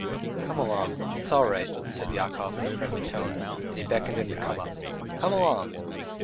"Come along, it's all right," said Yakov in a friendly tone, and he beckoned him to come up. "Come along!"